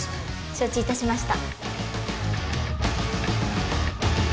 承知いたしました